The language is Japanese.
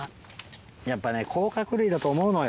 やっぱね甲殻類だと思うのよ。